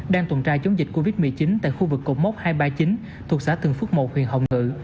đang tuần trai chống dịch covid một mươi chín tại khu vực cộng mốc hai trăm ba mươi chín thuộc xã thường phước một huyện hồng ngự